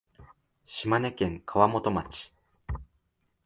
島根県川本町